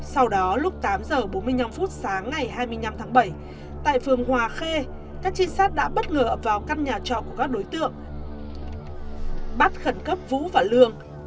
sau đó lúc tám h bốn mươi năm phút sáng ngày hai mươi năm tháng bảy tại phường hòa khê các trinh sát đã bất ngờ vào căn nhà trọ của các đối tượng bắt khẩn cấp vũ và lương